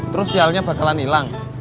terus sialnya bakalan ilang